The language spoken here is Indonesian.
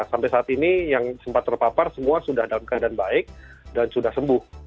sampai saat ini yang sempat terpapar semua sudah dalam keadaan baik dan sudah sembuh